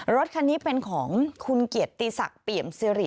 รถคันนี้เป็นของคุณเกียรติศักดิ์เปี่ยมซิริ